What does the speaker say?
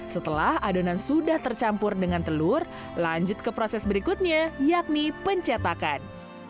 setelah adonan sudah tercampur dengan telur lanjut ke proses berikutnya yakni pencetakan